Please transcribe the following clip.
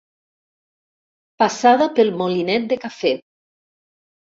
Passada pel molinet de cafè.